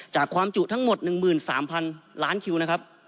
ความจุทั้งหมด๑๓๐๐๐ล้านคิวนะครับ